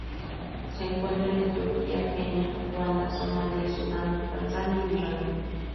Se encuentra en Etiopía, Kenia, Ruanda, Somalia, Sudán, Tanzania y Uganda.